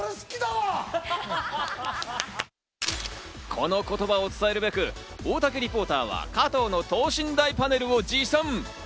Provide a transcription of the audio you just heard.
この言葉を伝えるべく、大竹リポーターは加藤の等身大パネルを持参。